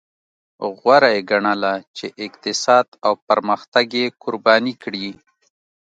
غوره یې ګڼله چې اقتصاد او پرمختګ یې قرباني کړي.